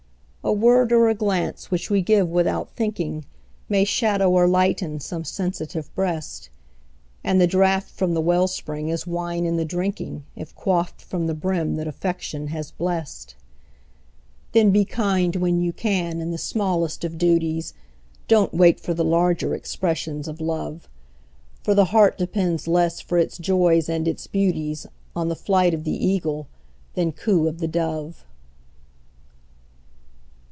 A word or a glance which we give "without thinking", May shadow or lighten some sensitive breast; And the draught from the well spring is wine in the drinking, If quaffed from the brim that Affection has blest. Then be kind when you can in the smallest of duties, Don't wait for the larger expressions of Love; For the heart depends less for its joys and its beauties On the flight of the Eagle than coo of the Dove.